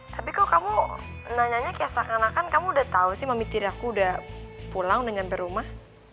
tapi kok kamu nanyanya kiasan karena kan kamu udah tau sih mami tiri aku udah pulang udah nyampe rumah